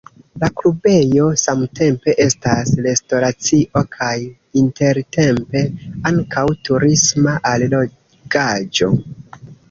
La klubejo samtempe estas restoracio kaj intertempe ankaŭ turisma allogaĵo.